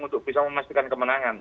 untuk bisa memastikan kemenangan